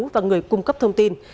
và người cung cấp thông tin